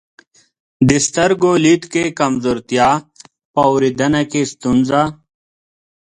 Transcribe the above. د سترګو لید کې کمزورتیا، په اورېدنه کې ستونزه،